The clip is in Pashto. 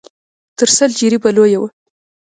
تر سل جريبه لوى و.